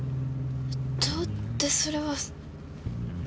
どうってそれは。